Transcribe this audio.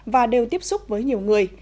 và đều tiếp xúc với nhiều người